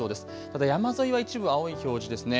ただ山沿いは一部青い表示ですね。